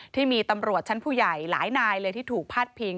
ที่มีตำรวจชั้นผู้ใหญ่หลายนายเลยที่ถูกพาดพิง